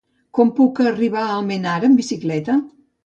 Com puc arribar a Almenara amb bicicleta?